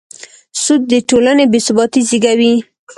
سود د ټولنې بېثباتي زېږوي.